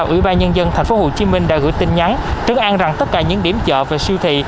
ủy ban nhân dân thành phố hồ chí minh đã gửi tin nhắn chứng án rằng tất cả những điểm chợ và siêu thị